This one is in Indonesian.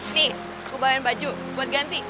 nih aku bayarin baju buat ganti